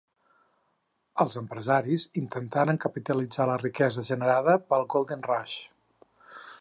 Els empresaris intentaren capitalitzar la riquesa generada pel "Golden Rush".